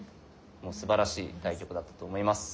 もうすばらしい対局だったと思います。